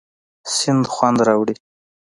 سیند خوند راوړي.